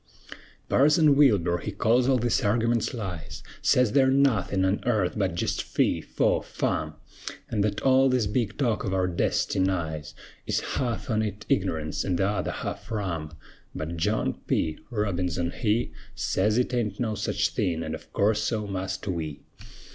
Parson Wilbur he calls all these argiments lies; Sez they're nothin' on airth but jest fee, faw, fum; An' thet all this big talk of our destinies Is half on it ign'ance, an' t'other half rum; But John P. Robinson he Sez it aint no sech thing; an', of course, so must we.